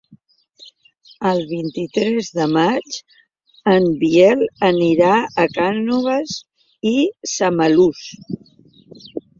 El vint-i-tres de maig en Biel anirà a Cànoves i Samalús.